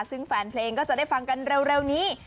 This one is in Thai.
ซึ่งแฟนเพลงก็จะได้ฟังกันเร็วนี้